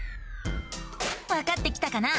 わかってきたかな？